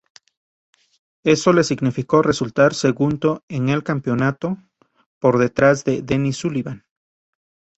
Eso le significó resultar segundo en el campeonato, por detrás de Danny Sullivan.